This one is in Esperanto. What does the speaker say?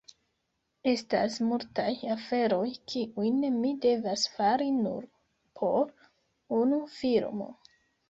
Estas multaj aferoj, kiujn mi devas fari nur por unu filmo.